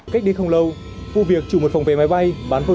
cách đi không lâu vô việc chủ một phòng về máy bay